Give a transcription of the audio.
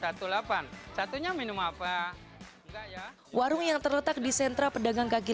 selama setiap hari di warung ini ada beberapa warung yang terletak di sentra pedagang kaki lima